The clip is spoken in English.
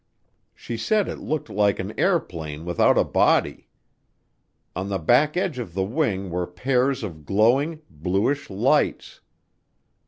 She said it looked like "an airplane without a body." On the back edge of the wing were pairs of glowing bluish lights.